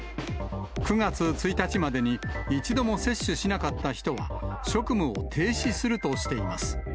９月１日までに一度も接種しなかった人は、職務を停止するとしています。